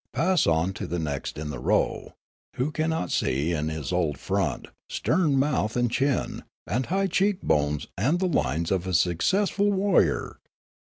Pass on to the next in the row ; who cannot see in his bold front, stern mouth and chin, and high cheek bones the lines of a successful warrior